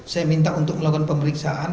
saya minta untuk melakukan pemeriksaan